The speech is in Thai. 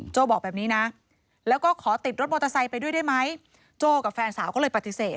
บอกแบบนี้นะแล้วก็ขอติดรถมอเตอร์ไซค์ไปด้วยได้ไหมโจ้กับแฟนสาวก็เลยปฏิเสธ